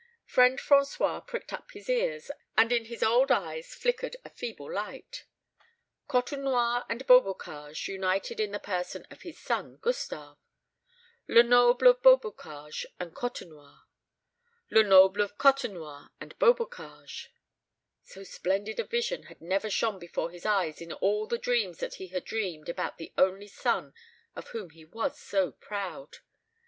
Friend François pricked up his ears, and in his old eyes flickered a feeble light. Côtenoir and Beaubocage united in the person of his son Gustave! Lenoble of Beaubocage and Côtenoir Lenoble of Côtenoir and Beaubocage! So splendid a vision had never shone before his eyes in all the dreams that he had dreamed about the only son of whom he was so proud.